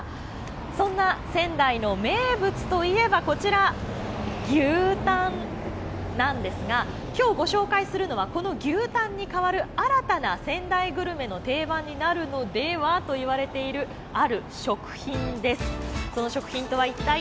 そんな仙台の名物といえばこちら、牛タンなんですが今日ご紹介するのはこの牛タンにかわる、新たな仙台グルメの定番になるのではと言われている早起き朝活